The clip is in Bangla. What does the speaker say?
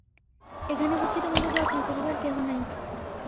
এখানে বুঝি তোমাকে যত্ন করিবার কেহ নাই।